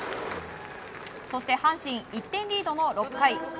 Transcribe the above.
そして、阪神１点リードの６回。